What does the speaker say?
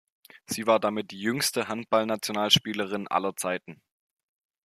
Sie war damit die jüngste Handball-Nationalspielerin aller Zeiten.